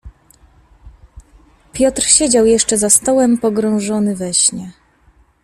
"Piotr siedział jeszcze za stołem, pogrążony we śnie."